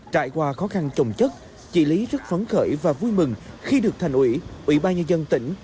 trải qua khó khăn trồng chất chị lý rất phấn khởi và vui mừng khi được thành ủy ủy ban nhân dân tỉnh